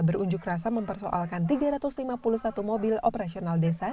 berunjuk rasa mempersoalkan tiga ratus lima puluh satu mobil operasional desa